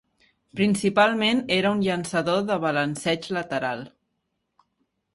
Principalment era un llançador de balanceig lateral.